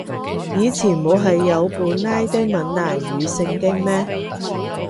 以前冇係有本拉丁閩南語聖經咩